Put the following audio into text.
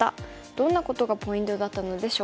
どんなことがポイントだったのでしょうか。